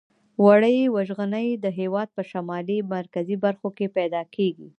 وړۍ وژغنې د هېواد په شمالي مرکزي برخو کې پیداکیږي.